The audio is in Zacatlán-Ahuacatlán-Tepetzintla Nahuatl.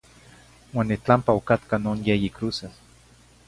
Uan nitlampa ocatca non yeyi cruses.